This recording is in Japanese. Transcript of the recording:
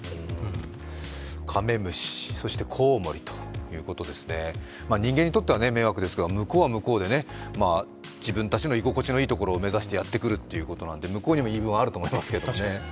カメムシ、そしてコウモリということでして人間にとっては迷惑ですが向こうは向こうで自分たちの居心地のいい場所を目指してやってくるということなんで向こうにも言い分はあると私は思っていますけど。